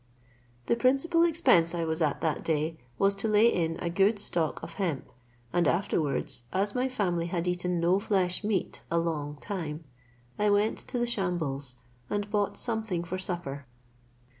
The principal expense I was at that day was to lay in a good stock of hemp, and afterwards, as my family had eaten no flesh meat a long time, I went to the shambles, and bought something for supper.